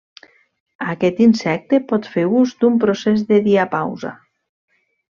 Aquest insecte pot fer ús d'un procés de diapausa.